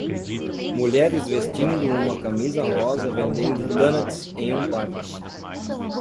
mulheres vestindo uma camisa rosa vendendo donuts em um parque.